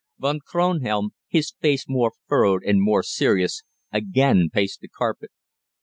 Von Kronhelm, his face more furrowed and more serious, again paced the carpet.